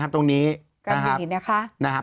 ก็เห็นต้องมีนะครับ